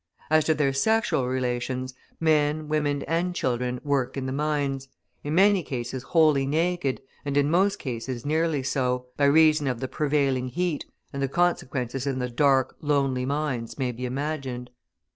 As to their sexual relations, men, women, and children work in the mines, in many cases, wholly naked, and in most cases, nearly so, by reason of the prevailing heat, and the consequences in the dark, lonely mines may be imagined.